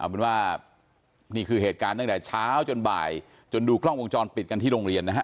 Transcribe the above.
เป็นว่านี่คือเหตุการณ์ตั้งแต่เช้าจนบ่ายจนดูกล้องวงจรปิดกันที่โรงเรียนนะฮะ